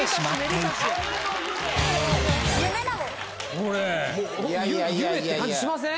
ほんと夢って感じしません？